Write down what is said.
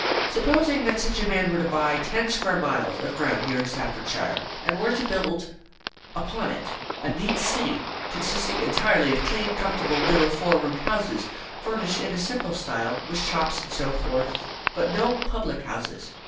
Supposing that such a man were to buy ten square miles of ground here in Staffordshire, and were to build upon it a neat city, consisting entirely of clean, comfortable little four roomed houses, furnished in a simple style, with shops and so forth, but no public houses.